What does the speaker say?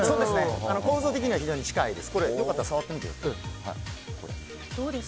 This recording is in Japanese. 構造的には非常に近いです。